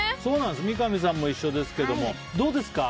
三上さんも一緒ですけどどうですか？